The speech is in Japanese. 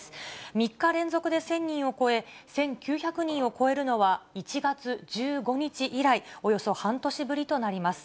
３日連続で１０００人を超え、１９００人を超えるのは１月１５日以来、およそ半年ぶりとなります。